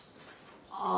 ああ。